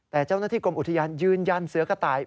แต่เจ้าหน้าที่กรมอุทยานยืนยันเสือกระต่าย